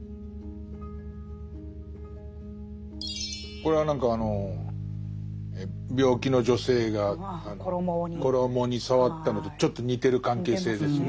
これは何かあの病気の女性が衣に触ったのとちょっと似てる関係性ですね。